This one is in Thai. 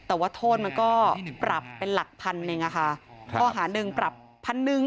แต่ว่าโทษมันก็ปรับเป็นหลักพันหนึ่งอะค่ะข้อหาหนึ่งปรับพันหนึ่ง